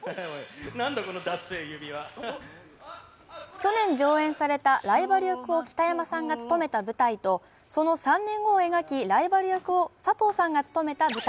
去年上演されたライバル役を北山さんが務めた舞台とその３年後を描きライバル役を佐藤さんが務めた舞台。